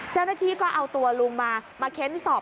เจ้าหน้าที่ก็เอาตัวลุงมามาเค้นสอบ